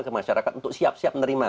ke masyarakat untuk siap siap menerima